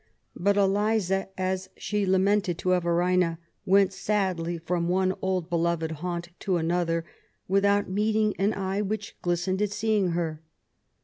But Eliza^ as she lamented to Everina^ went sadly from one old beloved haunt to another, without meeting an eye which glistened at seeing her.